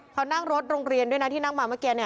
เขานั่งรถโรงเรียนด้วยนะที่นั่งมาเมื่อกี้